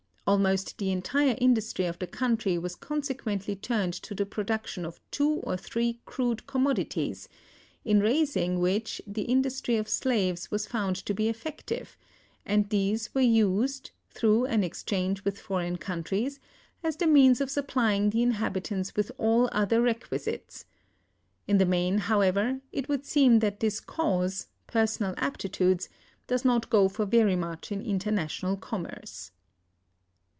Almost the entire industry of the country was consequently turned to the production of two or three crude commodities, in raising which the industry of slaves was found to be effective; and these were used, through an exchange with foreign countries, as the means of supplying the inhabitants with all other requisites.... In the main, however, it would seem that this cause [personal aptitudes] does not go for very much in international commerce."